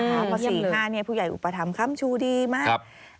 เพราะ๔๕ผู้ใหญ่อุปถัมภัมชูดีมาก